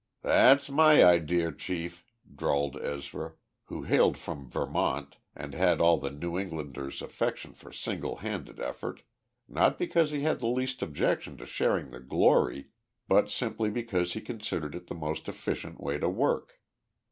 "That's my idear, Chief," drawled Ezra, who hailed from Vermont and had all the New Englander's affection for single handed effort, not because he had the least objection to sharing the glory, but simply because he considered it the most efficient way to work.